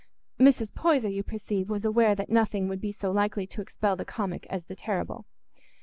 Mrs. Poyser, you perceive, was aware that nothing would be so likely to expel the comic as the terrible.